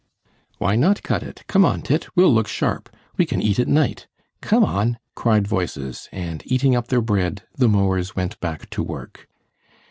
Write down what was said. "Why not cut it? Come on, Tit! We'll look sharp! We can eat at night. Come on!" cried voices, and eating up their bread, the mowers went back to work.